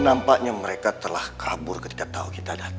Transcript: nampaknya mereka telah kabur ketika tahu kita datang